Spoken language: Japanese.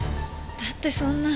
だってそんな。